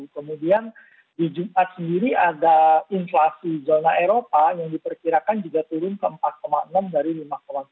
kemudian di jumat sendiri ada inflasi zona eropa yang diperkirakan juga turun ke empat enam dari lima sembilan